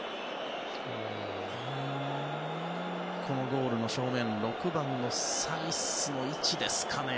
ゴールの正面６番のサイスの位置ですかね。